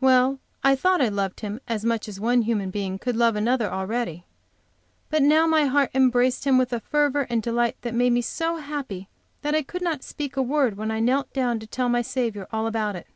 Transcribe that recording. Well, I thought I loved him as much as one human being could love another, already, but now my heart embraced him with a fervor and delight that made me so happy that I could not speak a word when I knelt down to tell my Saviour all about it.